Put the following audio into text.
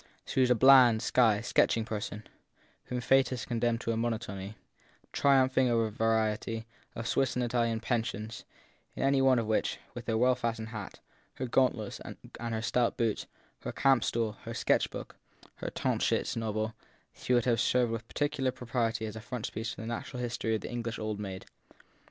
She was a bland, shy, sketching person, whom fate had condemned to a mo notony triumphing over variety of Swiss and Italian pensions; in any one of which, with her well fastened hat, her gauntlets and her stout boots, her camp stool, her sketch book, her Tauchnitz novel, she would have served with pecul iar propriety as a frontispiece to the natural history of the English old maid.